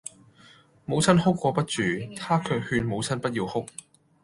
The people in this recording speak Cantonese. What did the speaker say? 母親哭個不住，他卻勸母親不要哭；